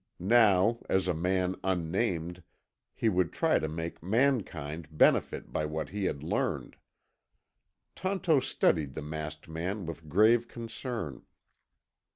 Now, as a man unnamed, he would try to make mankind benefit by what he had learned. Tonto studied the masked man with grave concern.